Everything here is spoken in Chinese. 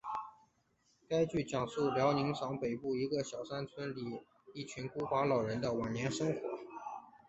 该剧讲述辽宁省北部一个小山村里一群孤寡老人的晚年生活。